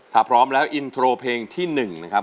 ถ้าพร้อมแล้วอินโทรเพลงที่๑นะครับ